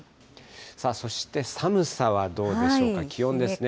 さあそして、寒さはどうでしょうか、気温ですね。